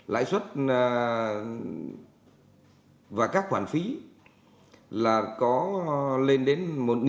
lãi suất và các khoản phí là có lên đến một chín trăm bảy mươi